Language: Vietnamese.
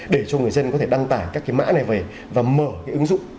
để cho người dân có thể đăng tải các cái mã này về và mở cái ứng dụng